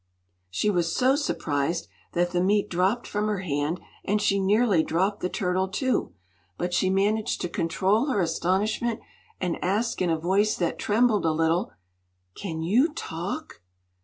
She was so surprised that the meat dropped from her hand, and she nearly dropped the turtle, too. But she managed to control her astonishment, and asked, in a voice that trembled a little: "Can you talk?"